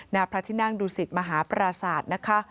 นาพระทินั่งดูสิตมหาปราศาสตร์